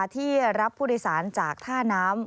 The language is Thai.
ที่รับผู้โดยสารจากท่าน้ำ